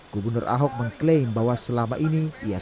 gubernur ahok mengklaim bahwa selama ini ia selalu berpengalaman